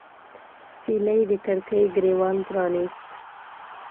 سیلۍ د کړکۍ ګریوان پرانیست